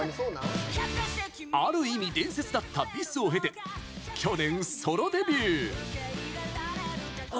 ある意味伝説だったＢｉＳを経て去年ソロデビュー。